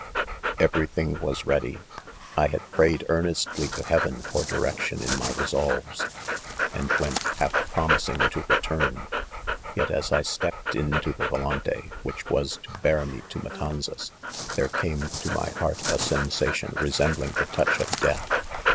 Every things was 'ready. • Iliad prayed ear ' nestly to heaven for direction in my resolves, and went, half promising to return 5 — yet as I stepped into the volante which was to bear me tovM&tanzas, ,there c.ametomy heart a sensa tion resembling the touch of death.